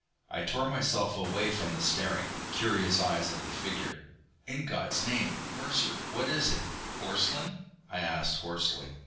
I tore myself away from the staring, curious eyes of the figure. "In God's name, Mercer, what is it? Porcelain?" I asked hoarsely.